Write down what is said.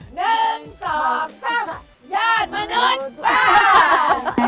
หนึ่งสองญาติมนุษย์ป้า